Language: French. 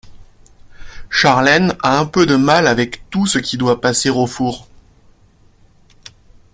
Charlène a un peu de mal avec tout ce qui doit passer au four.